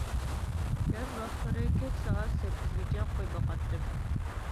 ياز ۋاقىتلىرى كەچ سائەت سەككىزگىچە قوي باقاتتىم.